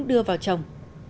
đưa vào trồng